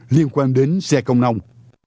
liên quan đến xe không nông